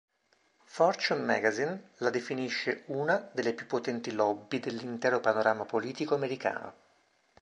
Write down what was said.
Fortune Magazine la definisce una delle più potenti lobby dell’intero panorama politico americano.